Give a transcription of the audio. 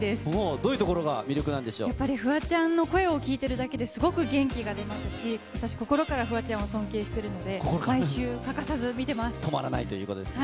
どういうところが魅力なんでやっぱりフワちゃんの声を聞いているだけで、すごく元気が出ますし、私、心からフワちゃんを尊敬しているので、止まらないということですか。